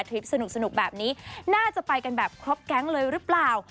คลิปสนุกแบบนี้น่าจะไปกันแบบครบแก๊งเลยหรือเปล่า